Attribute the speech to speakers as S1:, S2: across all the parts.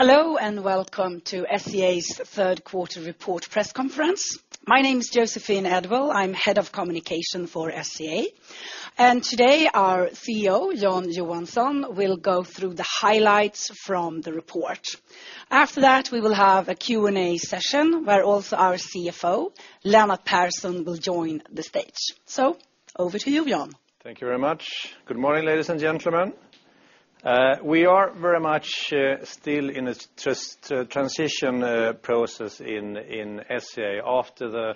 S1: Hello, welcome to SCA's third quarter report press conference. My name is Joséphine Edwall-Björklund. I'm head of communication for SCA. Today our CEO, Jan Johansson, will go through the highlights from the report. After that, we will have a Q&A session where also our CFO, Lennart Persson, will join the stage. Over to you, Jan.
S2: Thank you very much. Good morning, ladies and gentlemen. We are very much still in a transition process in SCA after the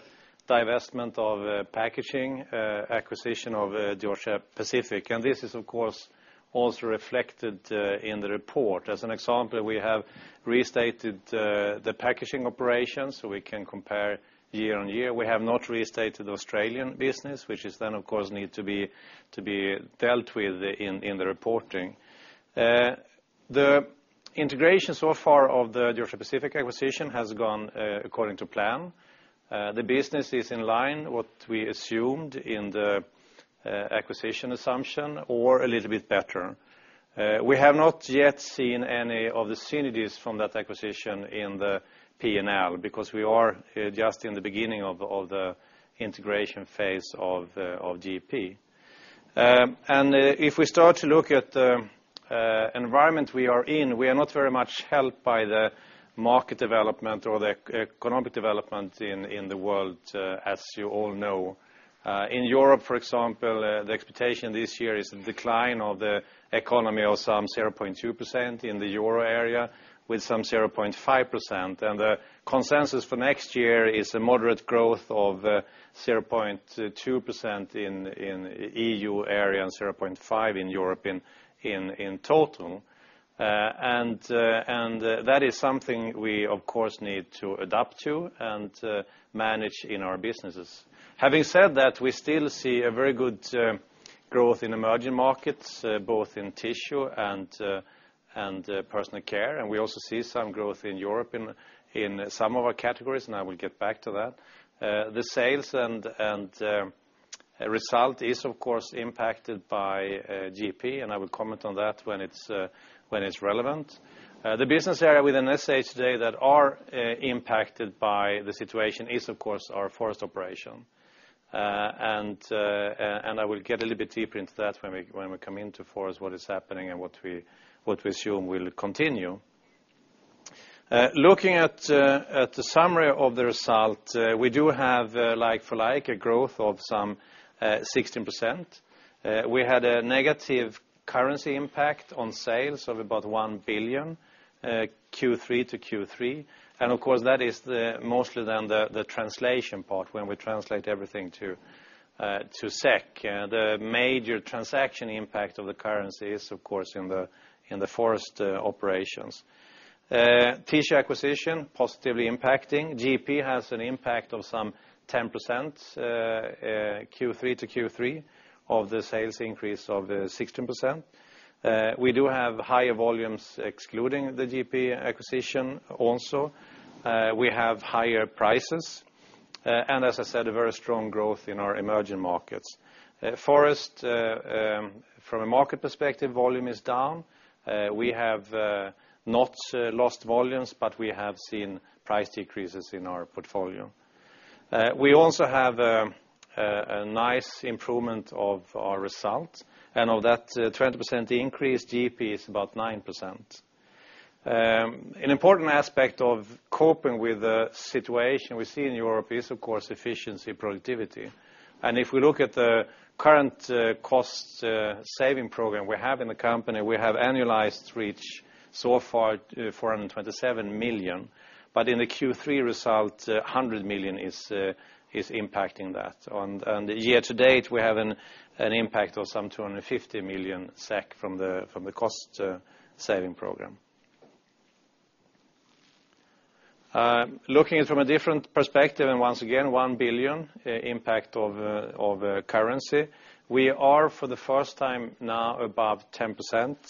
S2: divestment of packaging, acquisition of Georgia-Pacific. This is, of course, also reflected in the report. As an example, we have restated the packaging operations so we can compare year-on-year. We have not restated the Australian business, which is then, of course, need to be dealt with in the reporting. The integration so far of the Georgia-Pacific acquisition has gone according to plan. The business is in line what we assumed in the acquisition assumption or a little bit better. We have not yet seen any of the synergies from that acquisition in the P&L because we are just in the beginning of the integration phase of GP. If we start to look at the environment we are in, we are not very much helped by the market development or the economic development in the world as you all know. In Europe, for example, the expectation this year is a decline of the economy of some 0.2% in the euro area, with some 0.5%. The consensus for next year is a moderate growth of 0.2% in EU area and 0.5% in European in total. That is something we, of course, need to adapt to and manage in our businesses. Having said that, we still see a very good growth in emerging markets, both in tissue and personal care. We also see some growth in Europe in some of our categories, and I will get back to that. The sales and result is, of course, impacted by GP, I will comment on that when it's relevant. The business area within SCA today that are impacted by the situation is, of course, our forest operation. I will get a little bit deeper into that when we come into forest, what is happening and what we assume will continue. Looking at the summary of the result, we do have like-for-like a growth of some 16%. We had a negative currency impact on sales of about 1 billion Q3 to Q3. Of course, that is mostly then the translation part when we translate everything to SEK. The major transaction impact of the currency is, of course, in the forest operations. Tissue acquisition positively impacting. GP has an impact of some 10% Q3 to Q3 of the sales increase of 16%. We do have higher volumes excluding the GP acquisition also. We have higher prices. As I said, a very strong growth in our emerging markets. Forest, from a market perspective, volume is down. We have not lost volumes, but we have seen price decreases in our portfolio. We also have a nice improvement of our result. Of that 20% increase, GP is about 9%. An important aspect of coping with the situation we see in Europe is, of course, efficiency, productivity. If we look at the current cost saving program we have in the company, we have annualized reach so far 427 million, but in the Q3 result, 100 million is impacting that. On the year-to-date, we have an impact of some 250 million SEK from the cost saving program. Looking from a different perspective, once again, 1 billion impact of currency. We are for the first time now above 10%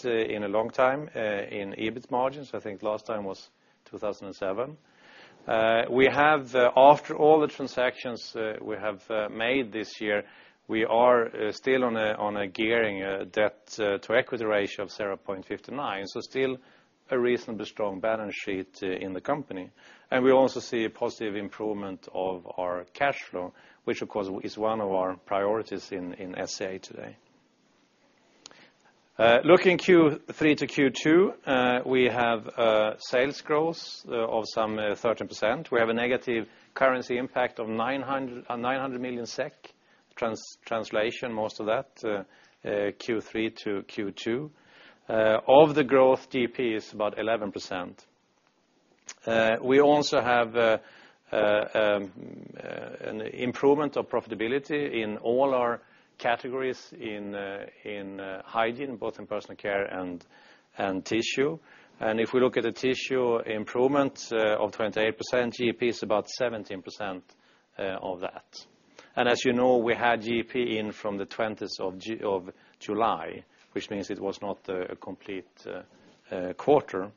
S2: in a long time in EBIT margins. I think last time was 2007. After all the transactions we have made this year, we are still on a gearing debt to equity ratio of 0.59. Still a reasonably strong balance sheet in the company. We also see a positive improvement of our cash flow, which of course is one of our priorities in SCA today. Looking Q3 to Q2, we have sales growth of some 13%. We have a negative currency impact of 900 million SEK, translation most of that Q3 to Q2. Of the growth, GP is about 11%. We also have an improvement of profitability in all our categories in hygiene, both in personal care and tissue. If we look at the tissue improvement of 28%, GP is about 17% of that. As you know, we had GP in from the 20th of July, which means it was not a complete quarter.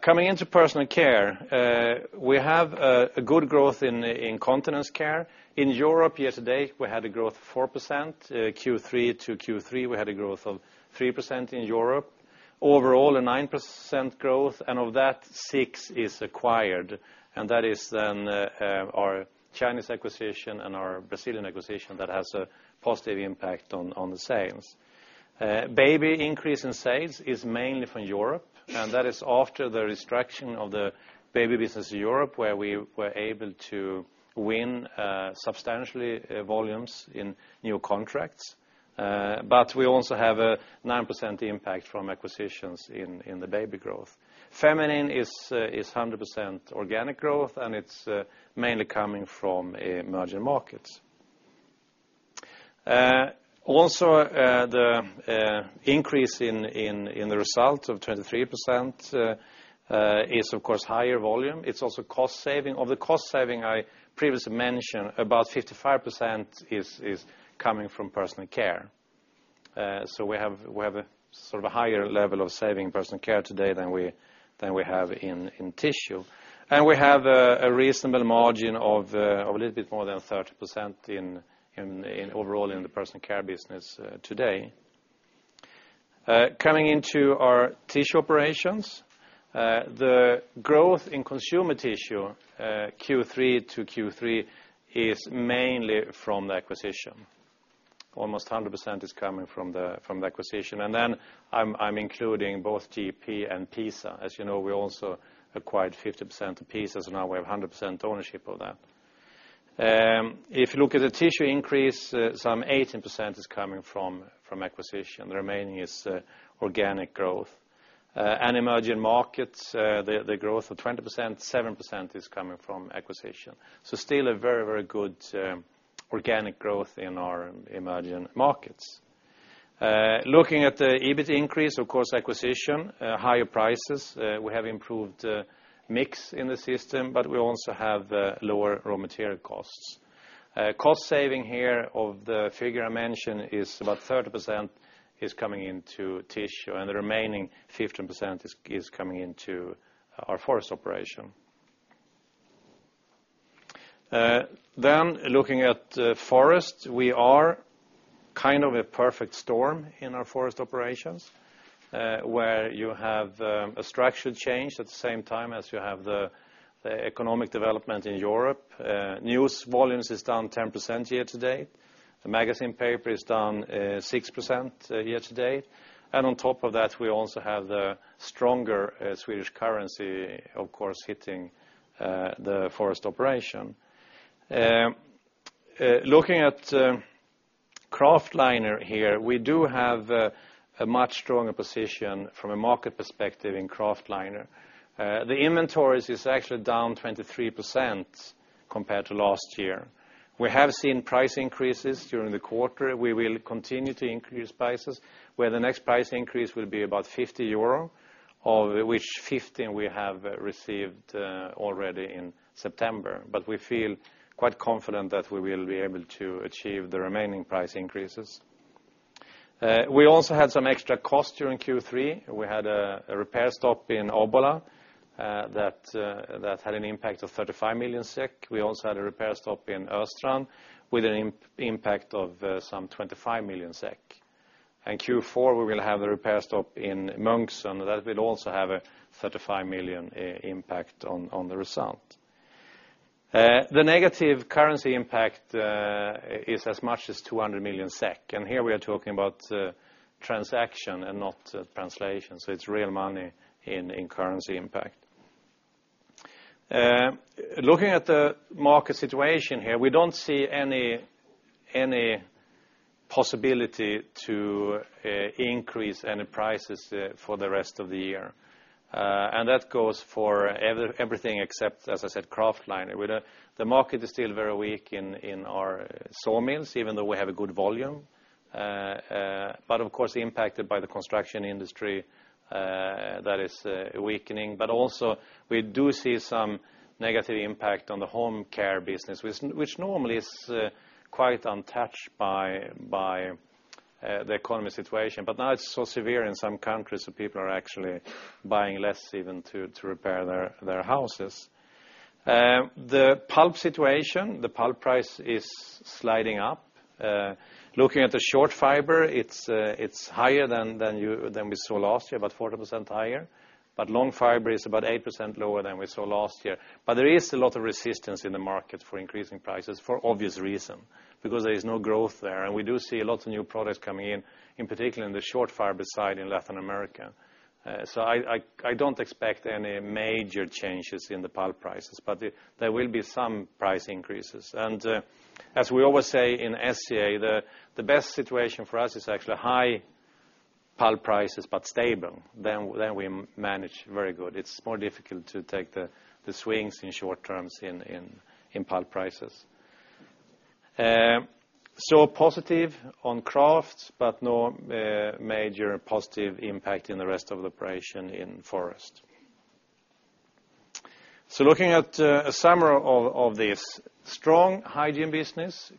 S2: Coming into personal care, we have a good growth in incontinence care. In Europe year-to-date, we had a growth of 4%. Q3 to Q3, we had a growth of 3% in Europe. Overall, a 9% growth, of that, 6 is acquired. That is then our Chinese acquisition and our Brazilian acquisition that has a positive impact on the sales. Baby increase in sales is mainly from Europe. That is after the restructuring of the baby business in Europe, where we were able to win substantially volumes in new contracts. We also have a 9% impact from acquisitions in the baby growth. Feminine is 100% organic growth. It's mainly coming from emerging markets. The increase in the result of 23% is, of course, higher volume. It's also cost saving. Of the cost saving I previously mentioned, about 55% is coming from personal care. We have a higher level of saving in personal care today than we have in tissue. We have a reasonable margin of a little bit more than 30% overall in the personal care business today. Coming into our tissue operations, the growth in consumer tissue Q3 to Q3 is mainly from the acquisition. Almost 100% is coming from the acquisition. Then I'm including both GP and PISA. As you know, we also acquired 50% of PISA. Now we have 100% ownership of that. If you look at the tissue increase, some 18% is coming from acquisition. The remaining is organic growth. Emerging markets, the growth of 20%, 7% is coming from acquisition. Still a very good organic growth in our emerging markets. Looking at the EBIT increase, of course, acquisition, higher prices. We have improved mix in the system, but we also have lower raw material costs. Cost saving here of the figure I mentioned is about 30% is coming into tissue, and the remaining 15% is coming into our forest operation. Looking at forest, we are kind of a perfect storm in our forest operations, where you have a structural change at the same time as you have the economic development in Europe. News volumes is down 10% year-to-date. The magazine paper is down 6% year-to-date. On top of that, we also have the stronger Swedish currency, of course, hitting the forest operation. Looking at kraft liner here, we do have a much stronger position from a market perspective in kraft liner. The inventories is actually down 23% compared to last year. We have seen price increases during the quarter. We will continue to increase prices, where the next price increase will be about 50 euro, of which 15 we have received already in September. We feel quite confident that we will be able to achieve the remaining price increases. We also had some extra costs during Q3. We had a repair stop in Obbola that had an impact of 35 million SEK. We also had a repair stop in Östrand with an impact of some 25 million SEK. In Q4, we will have the repair stop in Munksund, and that will also have a 35 million impact on the result. The negative currency impact is as much as 200 million SEK, here we are talking about transaction and not translation, so it's real money in currency impact. Looking at the market situation here, we don't see any possibility to increase any prices for the rest of the year. That goes for everything except, as I said, kraft liner. The market is still very weak in our sawmills, even though we have a good volume. Of course, impacted by the construction industry that is weakening. Also, we do see some negative impact on the home care business, which normally is quite untouched by the economy situation. Now it's so severe in some countries that people are actually buying less even to repair their houses. The pulp situation, the pulp price is sliding up. Looking at the short fiber, it's higher than we saw last year, about 40% higher, long fiber is about 8% lower than we saw last year. There is a lot of resistance in the market for increasing prices for obvious reason, because there is no growth there. We do see a lot of new products coming in particular in the short fiber side in Latin America. I don't expect any major changes in the pulp prices, but there will be some price increases. As we always say in SCA, the best situation for us is actually high pulp prices, but stable. We manage very good. It's more difficult to take the swings in short terms in pulp prices. Positive on kraft, but no major positive impact in the rest of the operation in forest. Looking at a summary of this: strong hygiene business,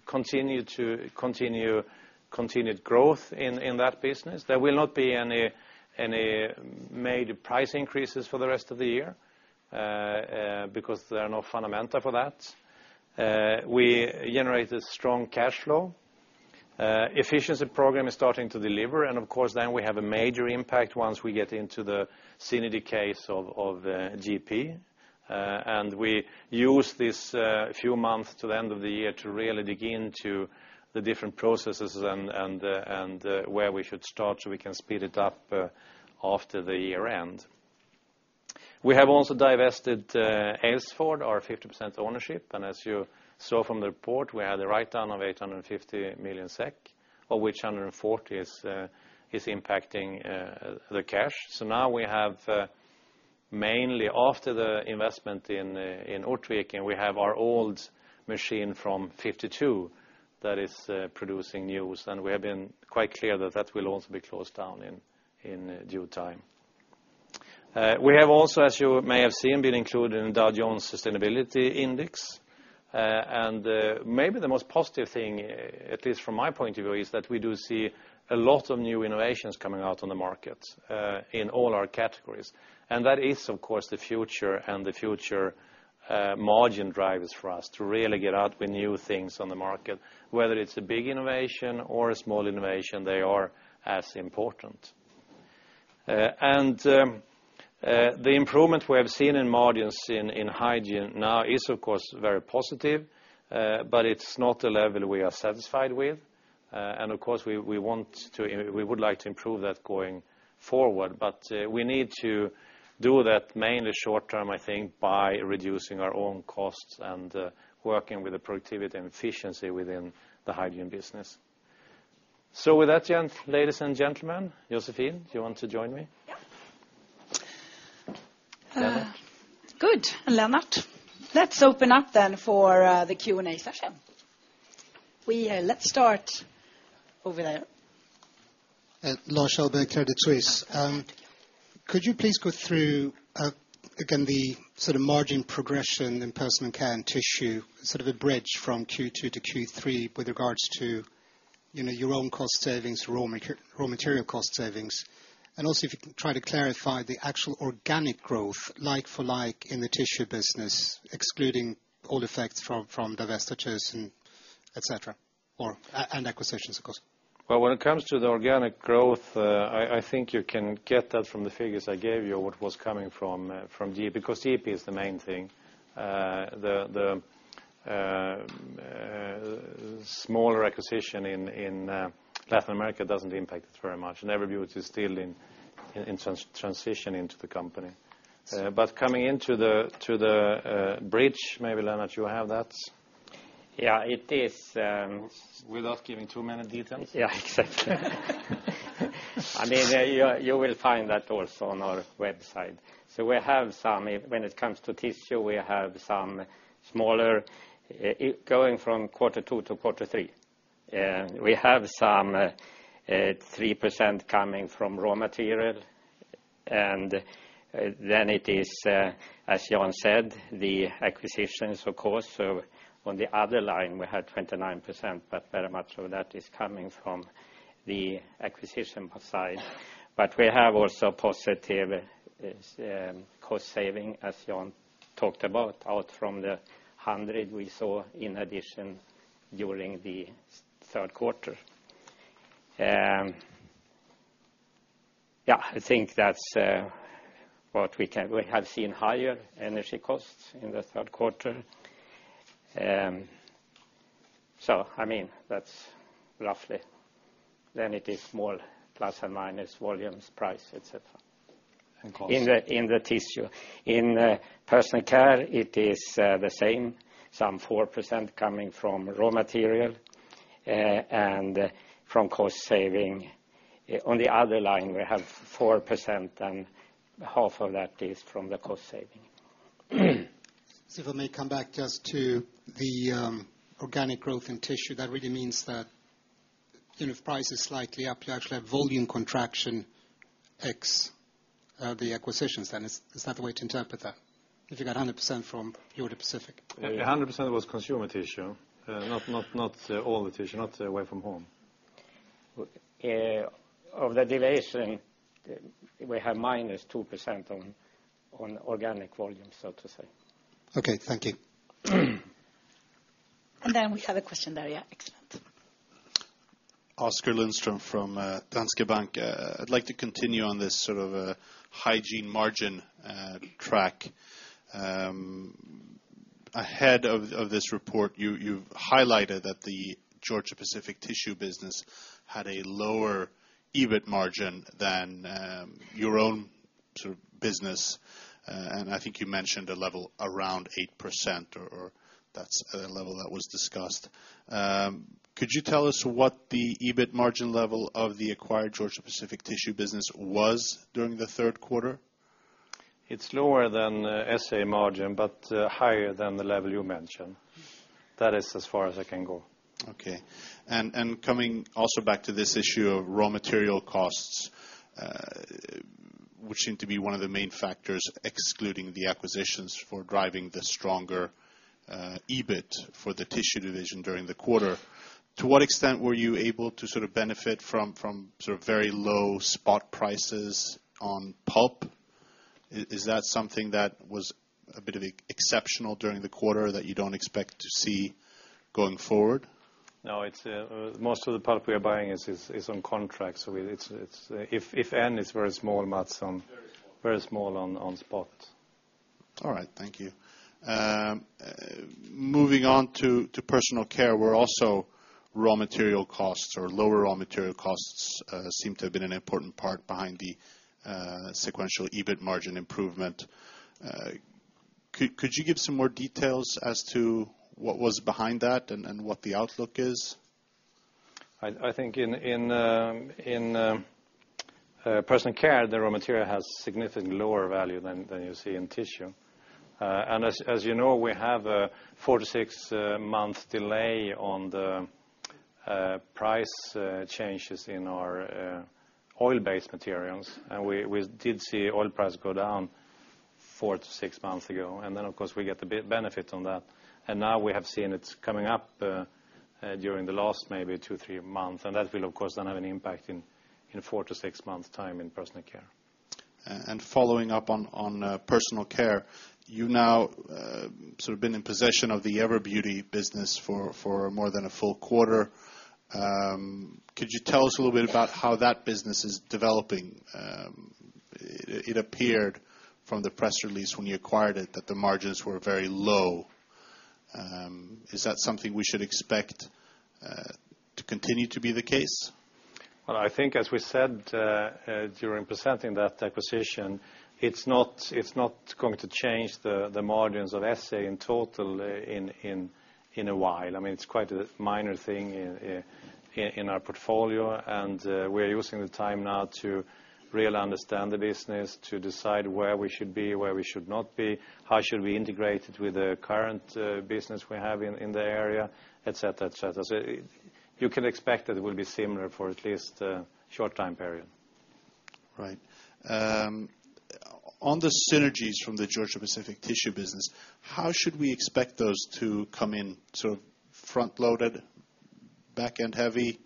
S2: continued growth in that business. There will not be any major price increases for the rest of the year, because there are no fundamentals for that. We generated strong cash flow. Efficiency program is starting to deliver, and of course then we have a major impact once we get into the synergy case of GP. We use this few months to the end of the year to really dig into the different processes and where we should start so we can speed it up after the year end. We have also divested Aylesford, our 50% ownership. As you saw from the report, we had a write-down of 850 million SEK, of which 140 is impacting the cash. Now we have mainly after the investment in Ortviken, we have our old machine from '52 that is producing news, we have been quite clear that that will also be closed down in due time. We have also, as you may have seen, been included in Dow Jones Sustainability Index. Maybe the most positive thing, at least from my point of view, is that we do see a lot of new innovations coming out on the market in all our categories. That is, of course, the future and the future margin drivers for us to really get out with new things on the market. Whether it's a big innovation or a small innovation, they are as important. The improvement we have seen in margins in hygiene now is of course very positive, but it's not a level we are satisfied with. Of course, we would like to improve that going forward. We need to do that mainly short-term, I think by reducing our own costs and working with the productivity and efficiency within the hygiene business. With that, ladies and gentlemen, Joséphine, do you want to join me?
S1: Yeah. Good. Lennart. Let's open up then for the Q&A session. Let's start over there.
S3: Lars Kjellberg, Credit Suisse. Could you please go through, again, the sort of margin progression in personal care and tissue, sort of a bridge from Q2 to Q3 with regards to your own cost savings, raw material cost savings? Also, if you can try to clarify the actual organic growth, like for like in the tissue business, excluding all effects from divestitures, et cetera, and acquisitions, of course.
S2: Well, when it comes to the organic growth, I think you can get that from the figures I gave you, what was coming from GP, because GP is the main thing. The smaller acquisition in Latin America doesn't impact us very much, and Everbeauty is still in transition into the company. Coming into the bridge, maybe Lennart, you have that.
S4: Yeah.
S2: Without giving too many details.
S4: Exactly. You will find that also on our website. When it comes to tissue, we have some smaller going from quarter two to quarter three. We have some 3% coming from raw material, and then it is, as Jan said, the acquisitions, of course. Very much of that is coming from the acquisition side. But we have also positive cost saving, as Jan talked about, out from the 100 we saw in addition during the third quarter. I think that's what we can. We have seen higher energy costs in the third quarter. That's roughly. Then it is small plus or minus volumes, price, et cetera.
S2: Costs.
S4: In the tissue. In personal care, it is the same, some 4% coming from raw material and from cost saving. On the other line, we have 4%. Half of that is from the cost saving.
S3: If I may come back just to the organic growth in tissue, that really means that if price is slightly up, you actually have volume contraction X the acquisitions then. Is that the way to interpret that? If you got 100% from Georgia-Pacific.
S2: 100% was consumer tissue, not all the tissue, not away from home.
S4: Of the division, we have minus 2% on organic volume, so to say.
S3: Okay, thank you.
S1: We have a question there, yeah. Excellent.
S5: Oskar Lindström from Danske Bank. I'd like to continue on this sort of hygiene margin track. Ahead of this report, you highlighted that the Georgia-Pacific tissue business had a lower EBIT margin than your own business, and I think you mentioned a level around 8%, or that's a level that was discussed. Could you tell us what the EBIT margin level of the acquired Georgia-Pacific tissue business was during the third quarter?
S2: It's lower than SCA margin, higher than the level you mentioned. That is as far as I can go.
S5: Okay. Coming also back to this issue of raw material costs, which seem to be one of the main factors, excluding the acquisitions, for driving the stronger EBIT for the tissue division during the quarter. To what extent were you able to benefit from very low spot prices on pulp? Is that something that was a bit exceptional during the quarter that you don't expect to see going forward?
S2: No, most of the pulp we are buying is on contract. If any, it's very small amounts.
S4: Very small
S2: very small on spot.
S5: All right. Thank you. Moving on to personal care, where also lower raw material costs seem to have been an important part behind the sequential EBIT margin improvement. Could you give some more details as to what was behind that and what the outlook is?
S2: I think in personal care, the raw material has significantly lower value than you see in tissue. As you know, we have a four to six month delay on the price changes in our oil-based materials. We did see oil price go down four to six months ago. Then, of course, we get the benefit on that. Now we have seen it's coming up during the last maybe two, three months, and that will, of course, then have an impact in four to six months' time in personal care.
S5: Following up on personal care, you now have been in possession of the Everbeauty business for more than one full quarter. Could you tell us a little bit about how that business is developing? It appeared from the press release when you acquired it that the margins were very low. Is that something we should expect to continue to be the case?
S2: Well, I think as we said during presenting that acquisition, it's not going to change the margins of SCA in total in a while. It's quite a minor thing in our portfolio, and we're using the time now to really understand the business, to decide where we should be, where we should not be, how should we integrate it with the current business we have in the area, et cetera. You can expect that it will be similar for at least a short time period.
S5: Right. On the synergies from the Georgia-Pacific tissue business, how should we expect those to come in? Front-loaded? Back-end heavy?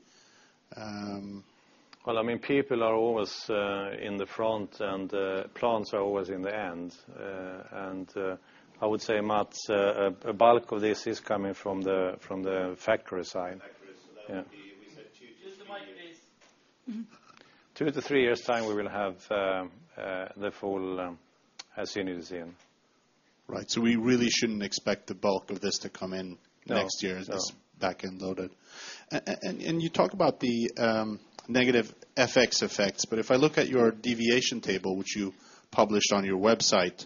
S2: Well, people are always in the front, and plants are always in the end. I would say, Mats, a bulk of this is coming from the factory side.
S4: Factory. That would be, we said
S1: Use the mic, please.
S2: Two to three years' time, we will have the full synergies in.
S5: Right. We really shouldn't expect the bulk of this to come in.
S2: No
S5: as back-end loaded. You talked about the negative FX effects, if I look at your deviation table, which you published on your website,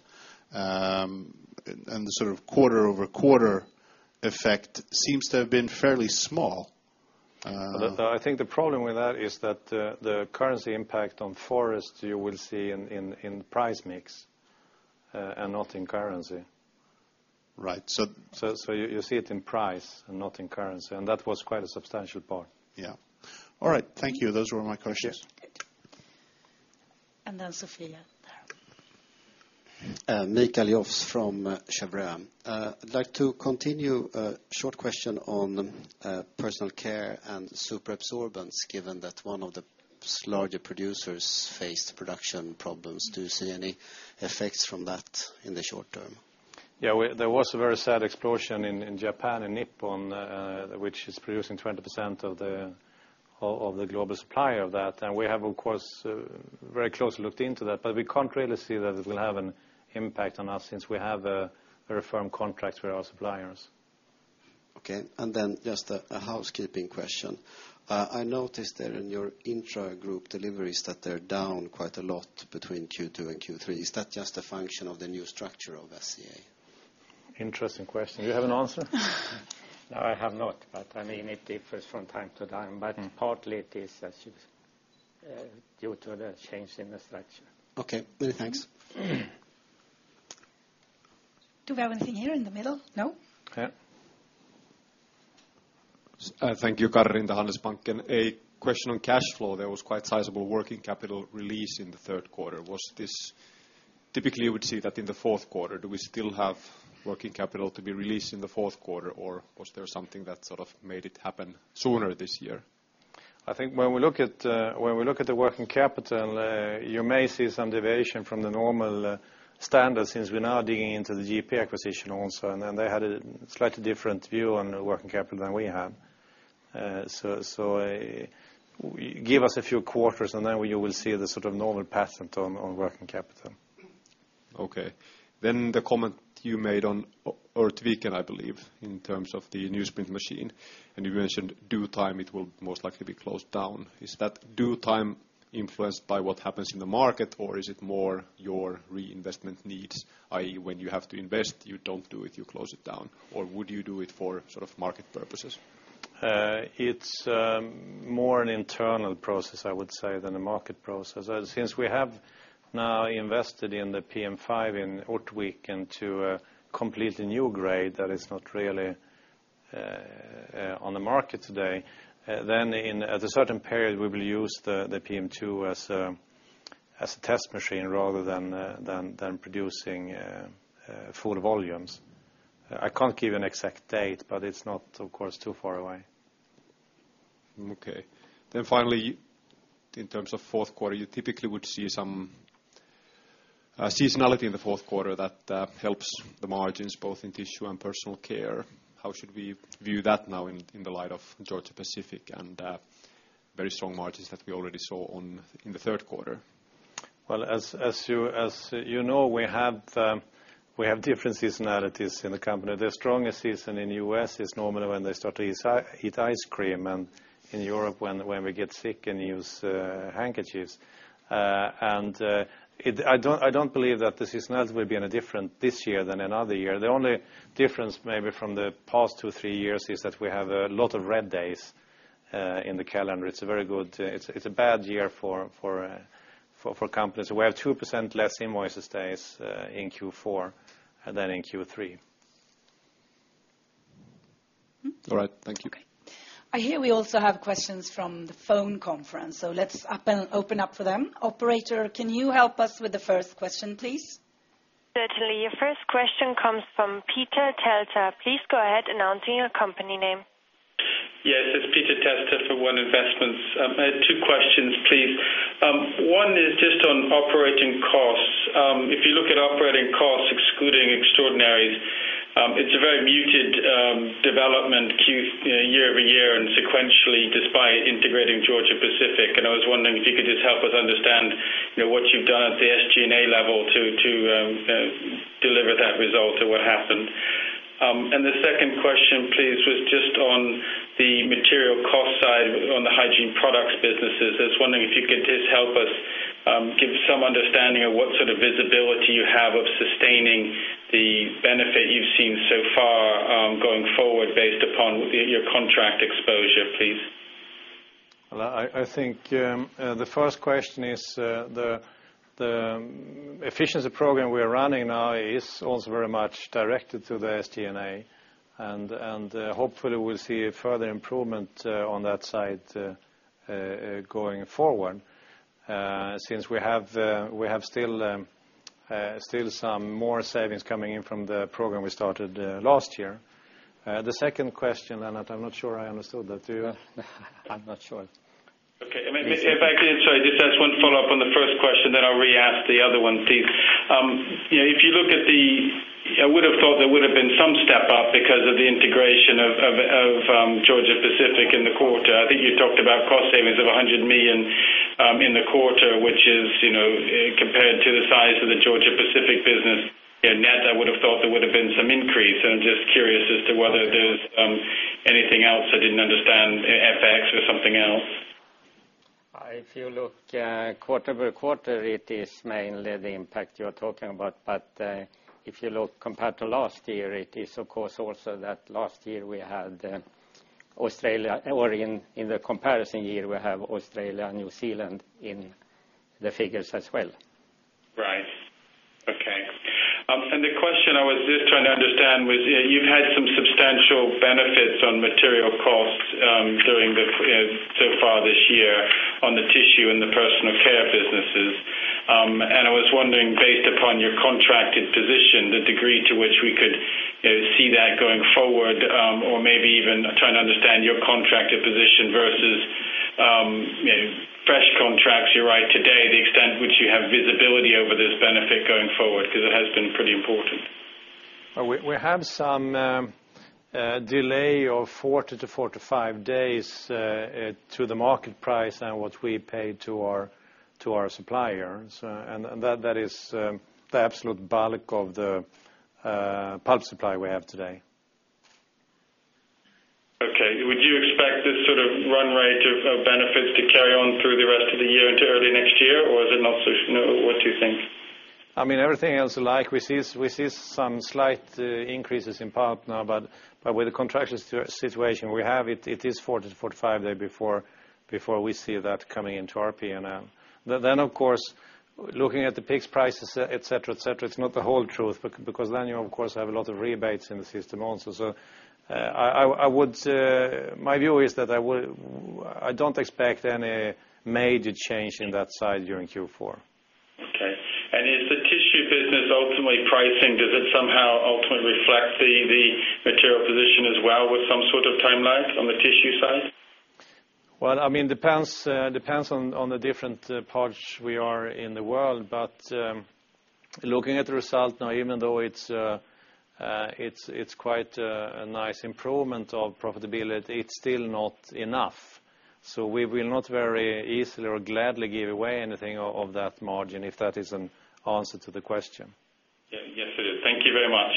S5: the quarter-over-quarter effect seems to have been fairly small.
S2: I think the problem with that is that the currency impact on forest, you will see in the price mix and not in currency.
S5: Right.
S2: You see it in price and not in currency. That was quite a substantial part.
S5: Yeah. All right. Thank you. Those were my questions.
S1: Sophia. There.
S6: Mikael Jofs from Cheuvreux. I'd like to continue, a short question on personal care and super absorbents, given that one of the larger producers faced production problems. Do you see any effects from that in the short term?
S2: Yeah, there was a very sad explosion in Japan, in Nippon, which is producing 20% of the global supply of that. We have, of course, very closely looked into that, but we can't really see that it will have an impact on us since we have very firm contracts with our suppliers.
S6: Okay. Then just a housekeeping question. I noticed that in your intragroup deliveries, that they're down quite a lot between Q2 and Q3. Is that just a function of the new structure of SCA?
S2: Interesting question. Do you have an answer?
S4: No, I have not, but it differs from time to time, but partly it is due to the change in the structure.
S6: Okay. Many thanks.
S1: Do we have anything here in the middle? No?
S2: Okay.
S7: Thank you. Karri Rinta, Handelsbanken. A question on cash flow. There was quite sizable working capital release in the third quarter. Typically, you would see that in the fourth quarter. Do we still have working capital to be released in the fourth quarter, or was there something that made it happen sooner this year?
S2: I think when we look at the working capital, you may see some deviation from the normal standard, since we're now digging into the GP acquisition also, and then they had a slightly different view on working capital than we have. Give us a few quarters, and then you will see the normal pattern on working capital.
S7: Okay. The comment you made on Ortviken, I believe, in terms of the newsprint machine, and you mentioned due time, it will most likely be closed down. Is that due time influenced by what happens in the market, or is it more your reinvestment needs, i.e. when you have to invest, you don't do it, you close it down? Would you do it for market purposes?
S2: It's more an internal process, I would say, than a market process. Since we have now invested in the PM5 in Ortviken into a completely new grade that is not really on the market today, then at a certain period, we will use the PM2 as a test machine rather than producing full volumes. I can't give an exact date, but it's not, of course, too far away.
S7: Okay. Finally, in terms of fourth quarter, you typically would see some seasonality in the fourth quarter that helps the margins both in tissue and personal care. How should we view that now in the light of Georgia-Pacific and very strong margins that we already saw in the third quarter?
S2: Well, as you know, we have different seasonalities in the company. The strongest season in the U.S. is normally when they start to eat ice cream, and in Europe, when we get sick and use handkerchiefs. I don't believe that the seasonality will be any different this year than any other year. The only difference maybe from the past two, three years is that we have a lot of red days in the calendar. It's a bad year for companies. We have 2% less invoices days in Q4 than in Q3.
S7: All right. Thank you.
S1: Okay. I hear we also have questions from the phone conference, let's open up for them. Operator, can you help us with the first question, please?
S8: Certainly. Your first question comes from Peter Thiel. Please go ahead announcing your company name.
S9: Yes, it's Peter Thiel for One Investments. I had two questions, please. One is just on operating costs. If you look at operating costs, excluding extraordinaries, it's a very muted development year-over-year and sequentially, despite integrating Georgia-Pacific. I was wondering if you could just help us understand what you've done at the SG&A level to deliver that result or what happened. The second question, please, was just on the material cost side on the hygiene products businesses. I was wondering if you could just help us give some understanding of what sort of visibility you have of sustaining the benefit you've seen so far going forward based upon your contract exposure, please.
S2: Well, I think the first question is the efficiency program we're running now is also very much directed to the SG&A, hopefully we'll see a further improvement on that side going forward, since we have still some more savings coming in from the program we started last year. The second question, Lennart, I'm not sure I understood that. Do you?
S4: I'm not sure.
S9: Okay. If I could, sorry, just ask one follow-up on the first question, then I'll re-ask the other one, please. I would have thought there would have been some step up because of the integration of Georgia-Pacific in the quarter. I think you talked about cost savings of 100 million in the quarter, which is, compared to the size of the Georgia-Pacific business net, I would have thought there would have been some increase. I'm just curious as to whether there's anything else I didn't understand, FX or something else.
S4: If you look quarter-over-quarter, it is mainly the impact you're talking about. If you look compared to last year, it is of course also that in the comparison year, we have Australia and New Zealand in the figures as well.
S9: Right. Okay. The question I was just trying to understand was you've had some substantial benefits on material costs so far this year on the tissue and the personal care businesses. I was wondering, based upon your contracted position, the degree to which we could see that going forward, or maybe even trying to understand your contracted position versus fresh contracts you write today, the extent which you have visibility over this benefit going forward, because it has been pretty important.
S2: We have some delay of four to five days to the market price and what we pay to our suppliers. That is the absolute bulk of the pulp supply we have today.
S9: Okay. Would you expect this sort of run rate of benefits to carry on through the rest of the year into early next year, or is it not so? What do you think?
S2: Everything else alike, we see some slight increases in pulp now, but with the contraction situation we have, it is four to five days before we see that coming into our P&L. Of course, looking at the peak prices, et cetera, it's not the whole truth because then you, of course, have a lot of rebates in the system also. My view is that I don't expect any major change in that side during Q4.
S9: Okay. Is the tissue business ultimately pricing? Does it somehow ultimately reflect the material position as well with some sort of timeline on the tissue side?
S2: It depends on the different parts we are in the world. Looking at the result now, even though it's quite a nice improvement of profitability, it's still not enough. We will not very easily or gladly give away anything of that margin, if that is an answer to the question.
S9: Yes, it is. Thank you very much.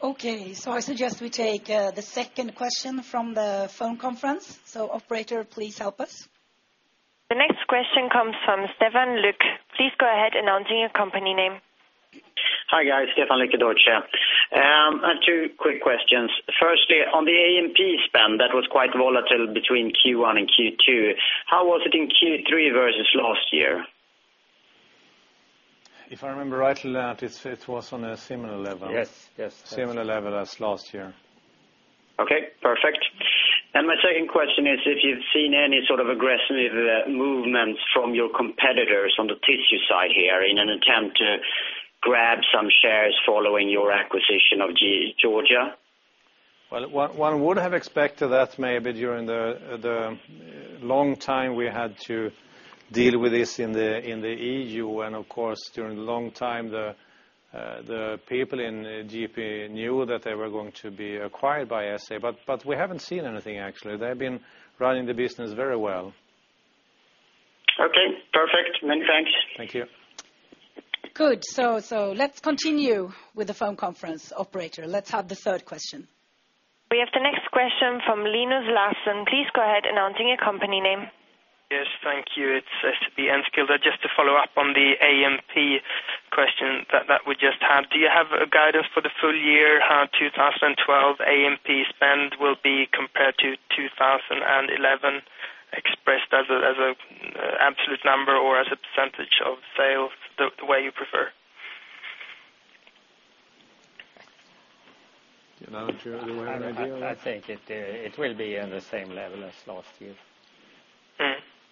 S1: Okay, I suggest we take the second question from the phone conference. Operator, please help us.
S8: The next question comes from Stephan Luck. Please go ahead announcing your company name.
S10: Hi, guys. I have two quick questions. Firstly, on the AMP spend, that was quite volatile between Q1 and Q2. How was it in Q3 versus last year?
S2: If I remember rightly, it was on a similar level. Yes. Similar level as last year.
S10: Okay, perfect. My second question is if you've seen any sort of aggressive movements from your competitors on the tissue side here in an attempt to grab some shares following your acquisition of Georgia?
S2: Well, one would have expected that maybe during the long time we had to deal with this in the EU, and of course, during the long time, the people in GP knew that they were going to be acquired by SCA, but we haven't seen anything, actually. They've been running the business very well.
S10: Okay, perfect. Many thanks.
S2: Thank you.
S1: Good. Let's continue with the phone conference. Operator, let's have the third question.
S8: We have the next question from Linus Larsson. Please go ahead, announcing your company name.
S11: Yes, thank you. It's SEB Enskilda. Just to follow up on the AMP question that we just had. Do you have a guidance for the full year how 2012 AMP spend will be compared to 2011 expressed as a absolute number or as a percentage of sales, the way you prefer?
S2: [Linus], you have any idea? I think it will be in the same level as last year.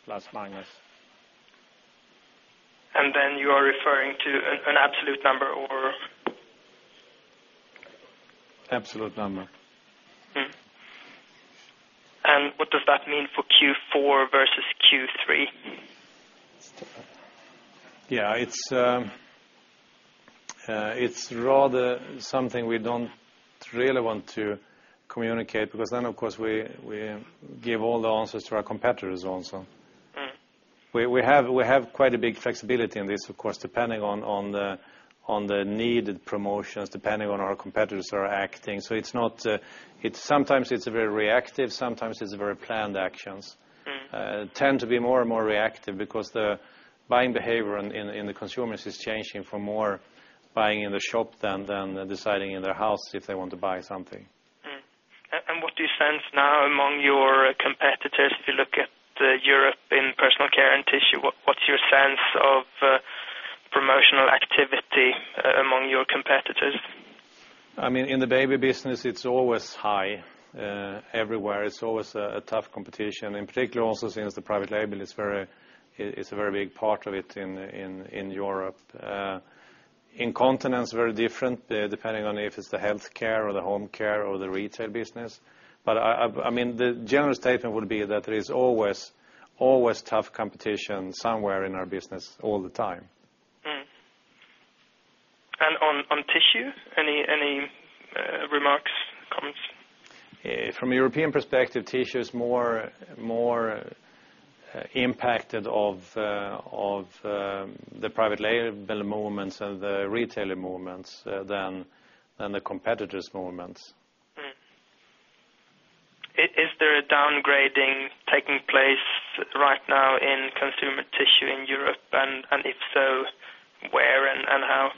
S2: Plus, minus.
S11: Then you are referring to an absolute number, or?
S2: Absolute number.
S11: What does that mean for Q4 versus Q3?
S2: Yeah, it's rather something we don't really want to communicate because then, of course, we give all the answers to our competitors also. We have quite a big flexibility in this, of course, depending on the needed promotions, depending on our competitors who are acting. Sometimes it's very reactive, sometimes it's very planned actions. Tend to be more and more reactive because the buying behavior in the consumers is changing for more buying in the shop than deciding in their house if they want to buy something.
S11: Mm-hmm. What do you sense now among your competitors? If you look at Europe in personal care and tissue, what's your sense of promotional activity among your competitors?
S2: In the baby business, it's always high everywhere. It's always a tough competition, in particular also since the private label is a very big part of it in Europe. In continents, very different depending on if it's the healthcare or the home care or the retail business. The general statement will be that there is always tough competition somewhere in our business all the time.
S11: Mm-hmm. On tissue? Any remarks, comments?
S2: From a European perspective, tissue is more impacted of the private label movements and the retailer movements than the competitors' movements.
S11: Mm-hmm. Is there a downgrading taking place right now in consumer tissue in Europe? If so, where and how?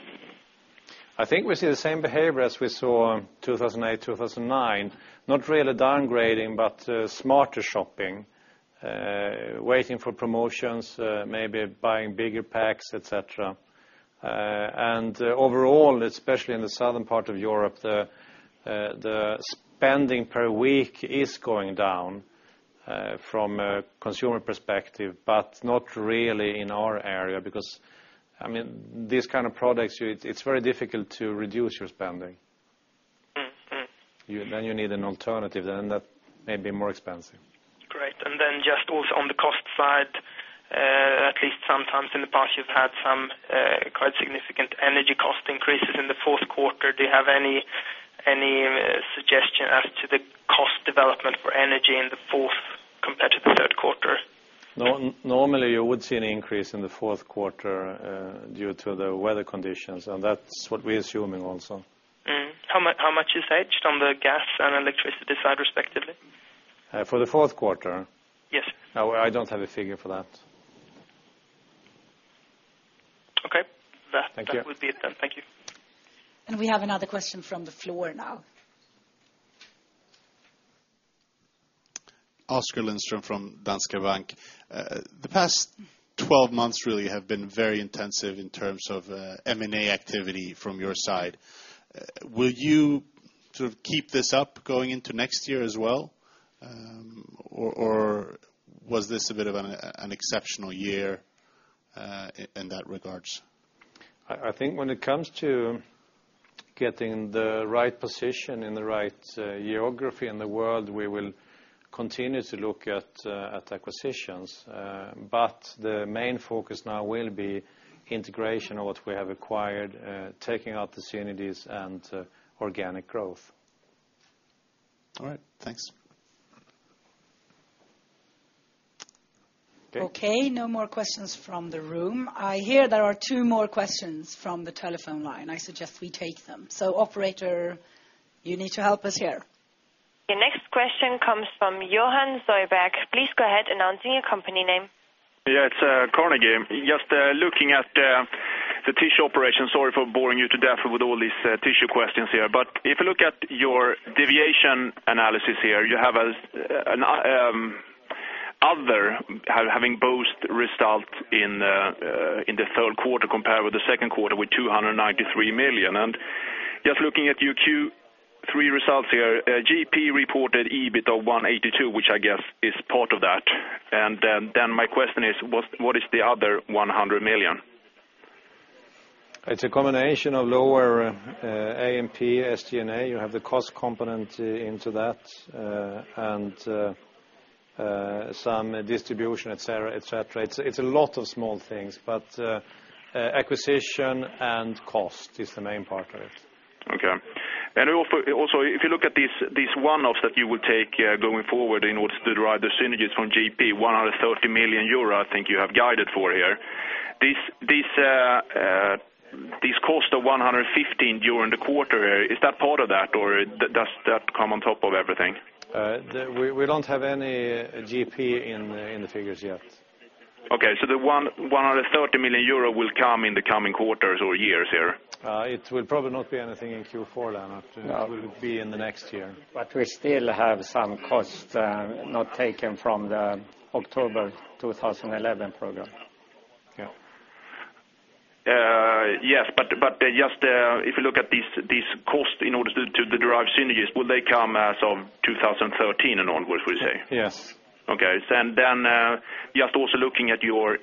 S2: I think we see the same behavior as we saw in 2008, 2009. Not really downgrading, but smarter shopping, waiting for promotions, maybe buying bigger packs, et cetera. Overall, especially in the southern part of Europe, the spending per week is going down from a consumer perspective, but not really in our area because these kind of products, it's very difficult to reduce your spending. You need an alternative, and that may be more expensive.
S11: Great. Just also on the cost side, at least sometimes in the past, you've had some quite significant energy cost increases in the fourth quarter. Do you have any suggestion as to the cost development for energy in the fourth compared to the third quarter?
S2: Normally, you would see an increase in the fourth quarter due to the weather conditions, that's what we're assuming also.
S11: How much is hedged on the gas and electricity side, respectively?
S2: For the fourth quarter?
S11: Yes.
S2: I don't have a figure for that.
S11: Okay.
S2: Thank you.
S11: That would be it then. Thank you.
S1: We have another question from the floor now.
S5: Oskar Lindström from Danske Bank. The past 12 months really have been very intensive in terms of M&A activity from your side. Will you keep this up going into next year as well? Was this a bit of an exceptional year in that regards?
S2: I think when it comes to getting the right position in the right geography in the world, we will continue to look at acquisitions. The main focus now will be integration of what we have acquired, taking up opportunities, and organic growth.
S5: All right. Thanks.
S1: Okay, no more questions from the room. I hear there are two more questions from the telephone line. I suggest we take them. Operator, you need to help us here.
S8: The next question comes from Johan Sjöberg. Please go ahead, announcing your company name.
S12: Yeah, it's Carnegie. Just looking at the tissue operation, sorry for boring you to death with all these tissue questions here. If you look at your deviation analysis here, you have other having both results in the third quarter compared with the second quarter with 293 million. Just looking at your Q3 results here, GP reported EBIT of 182, which I guess is part of that. My question is, what is the other 100 million?
S2: It's a combination of lower AMP, SG&A. You have the cost component into that, and some distribution, et cetera. It's a lot of small things, acquisition and cost is the main part of it.
S12: Okay. Also, if you look at these one-offs that you would take going forward in order to derive the synergies from GP, 130 million euro, I think you have guided for here. This cost of 115 during the quarter, is that part of that, or does that come on top of everything?
S2: We don't have any GP in the figures yet.
S12: The 130 million euro will come in the coming quarters or years here?
S2: It will probably not be anything in Q4. It will be in the next year.
S4: We still have some costs not taken from the October 2011 program.
S2: Yeah.
S12: Yes, if you look at these costs in order to derive synergies, will they come as of 2013 and onwards, we say?
S2: Yes.
S12: Okay. Then, just also looking at your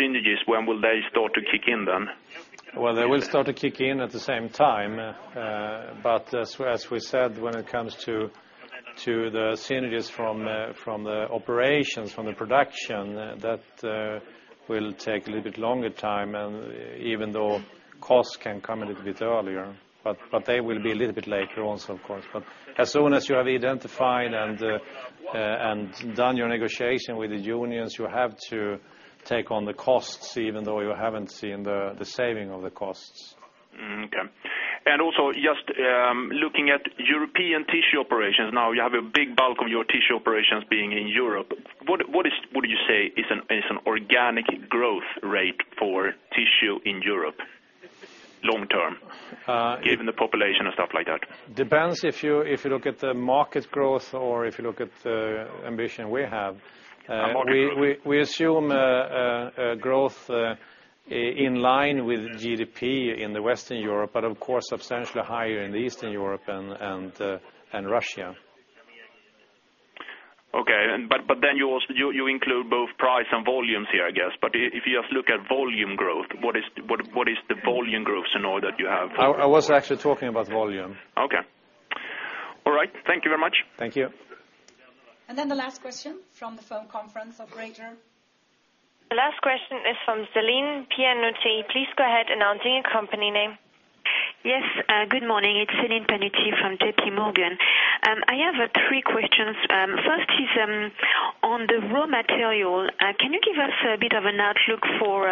S12: synergies, when will they start to kick in then?
S2: Well, they will start to kick in at the same time. As we said, when it comes to the synergies from the operations, from the production, that will take a little bit longer time, even though costs can come a little bit earlier. They will be a little bit later also, of course. As soon as you have identified and done your negotiation with the unions, you have to take on the costs, even though you haven't seen the saving of the costs.
S12: Okay. Also, just looking at European tissue operations, now you have a big bulk of your tissue operations being in Europe. What do you say is an organic growth rate for tissue in Europe long term? Given the population and stuff like that.
S2: Depends if you look at the market growth or if you look at the ambition we have.
S12: Market growth.
S2: We assume a growth in line with GDP in Western Europe, but of course substantially higher in Eastern Europe and Russia.
S12: Okay, you include both price and volumes here, I guess. If you just look at volume growth, what is the volume growth that you have?
S2: I was actually talking about volume.
S12: Okay. All right. Thank you very much.
S2: Thank you.
S8: Then the last question from the phone conference operator. The last question is from Celine Pianucci. Please go ahead, announcing your company name.
S13: Yes, good morning. It's Celine Pianucci from JPMorgan. I have three questions. First is on the raw material. Can you give us a bit of an outlook for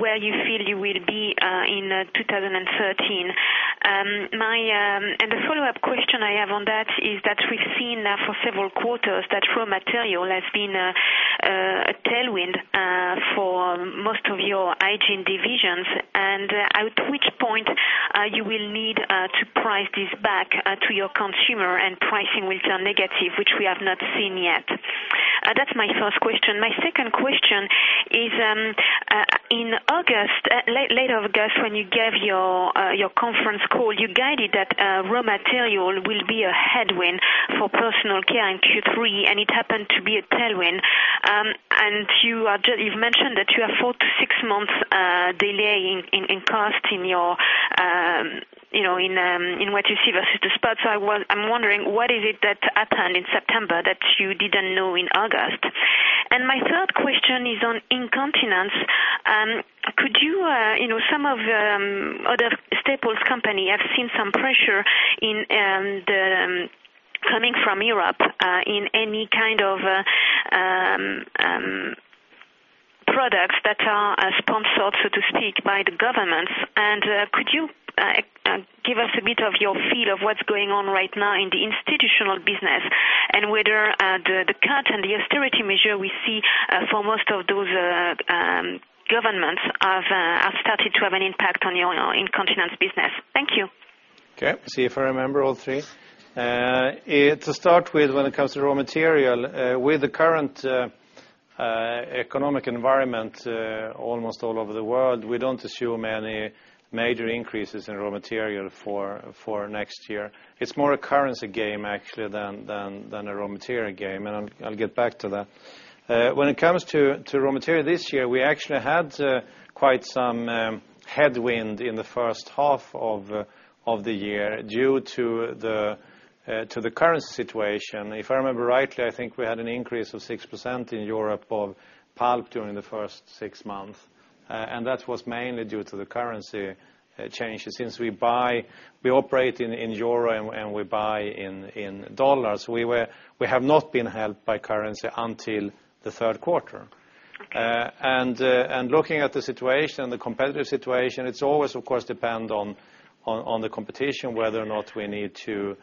S13: where you feel you will be in 2013? The follow-up question I have on that is that we've seen now for several quarters that raw material has been a tailwind for most of your hygiene divisions, and at which point you will need to price this back to your consumer and pricing will turn negative, which we have not seen yet. That's my first question. My second question is, in August, later August, when you gave your conference call, you guided that raw material will be a headwind for personal care in Q3, and it happened to be a tailwind. You've mentioned that you have four to six months delay in cost in what you see versus the spots. I'm wondering what is it that happened in September that you didn't know in August. My third question is on incontinence. Some of the other staples company have seen some pressure coming from Europe in any kind of products that are sponsored, so to speak, by the governments. Could you give us a bit of your feel of what's going on right now in the institutional business, and whether the cut and the austerity measure we see for most of those governments have started to have an impact on your incontinence business? Thank you.
S2: Okay. See if I remember all three. To start with, when it comes to raw material, with the current economic environment almost all over the world, we don't assume any major increases in raw material for next year. It's more a currency game, actually, than a raw material game, and I'll get back to that. When it comes to raw material this year, we actually had quite some headwind in the first half of the year due to the currency situation. If I remember rightly, I think we had an increase of 6% in Europe of pulp during the first six months. That was mainly due to the currency changes, since we operate in EUR and we buy in USD. We have not been helped by currency until the third quarter.
S13: Okay.
S2: Looking at the situation, the competitive situation, it always of course depend on the competition, whether or not we need to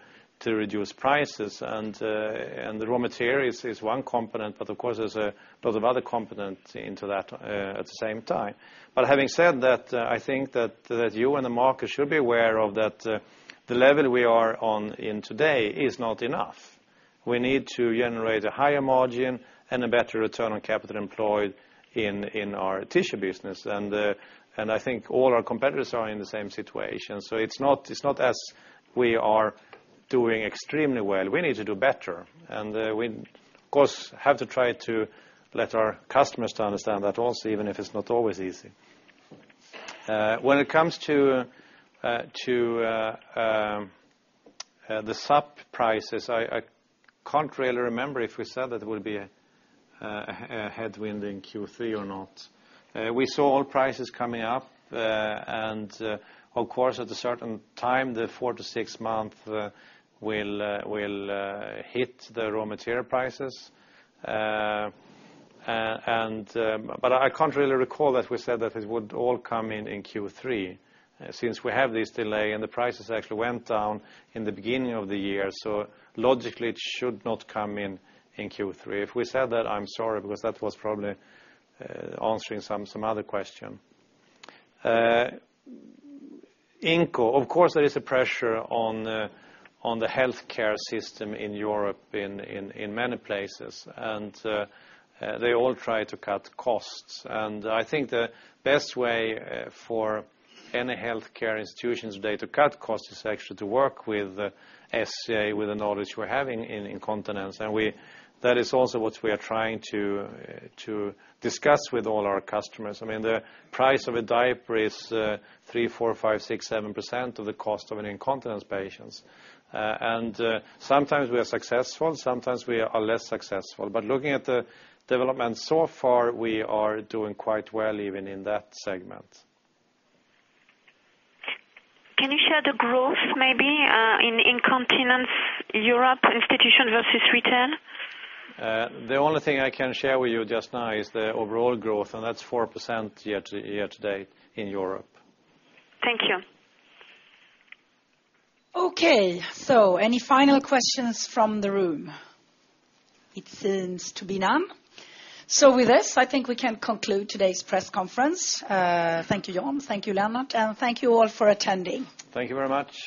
S2: reduce prices, and the raw materials is one component, but of course there's a lot of other components into that at the same time. Having said that, I think that you and the market should be aware of that the level we are on today is not enough. We need to generate a higher margin and a better return on capital employed in our tissue business. I think all our competitors are in the same situation. It's not as we are doing extremely well. We need to do better, and we, of course, have to try to let our customers to understand that also, even if it's not always easy. When it comes to the SAP prices, I can't really remember if we said that it will be a headwind in Q3 or not. We saw all prices coming up, and of course, at a certain time, the four to six month will hit the raw material prices. I can't really recall that we said that it would all come in in Q3, since we have this delay, and the prices actually went down in the beginning of the year. Logically, it should not come in in Q3. If we said that, I'm sorry, because that was probably answering some other question. Inco, of course, there is a pressure on the healthcare system in Europe in many places, and they all try to cut costs. I think the best way for any healthcare institutions today to cut costs is actually to work with SCA, with the knowledge we're having in incontinence. That is also what we are trying to discuss with all our customers. The price of a diaper is 3%, 4%, 5%, 6%, 7% of the cost of an incontinence patients. Sometimes we are successful, sometimes we are less successful. Looking at the development so far, we are doing quite well even in that segment.
S13: Can you share the growth maybe in incontinence Europe institution versus retail?
S2: The only thing I can share with you just now is the overall growth, and that's 4% year-to-date in Europe.
S13: Thank you.
S1: Okay. Any final questions from the room? It seems to be none. With this, I think we can conclude today's press conference. Thank you, Jan, thank you, Lennart, and thank you all for attending.
S2: Thank you very much.